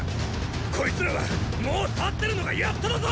こいつらはもう立ってるのがやっとだぞ！